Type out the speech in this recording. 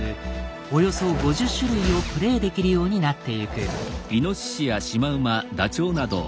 およそ５０種類をプレイできるようになってゆく。